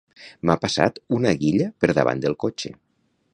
M'ha passat una guilla per davant del cotxe